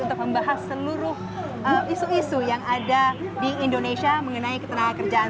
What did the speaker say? untuk membahas seluruh isu isu yang ada di indonesia mengenai ketenaga kerjaan